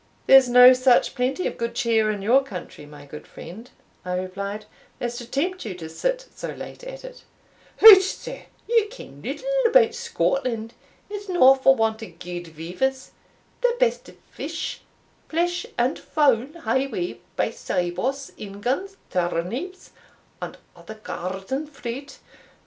"There's no such plenty of good cheer in your country, my good friend," I replied, "as to tempt you to sit so late at it." "Hout, sir, ye ken little about Scotland; it's no for want of gude vivers the best of fish, flesh, and fowl hae we, by sybos, ingans, turneeps, and other garden fruit.